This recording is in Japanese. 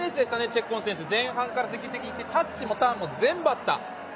チェッコン選手は前半から積極的にいってタッチもターンも全部、合った。